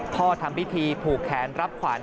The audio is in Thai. ทำพิธีผูกแขนรับขวัญ